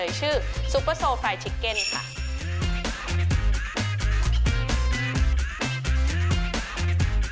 เอาล่ะเดินทางมาถึงในช่วงไฮไลท์ของตลอดกินในวันนี้แล้วนะครับ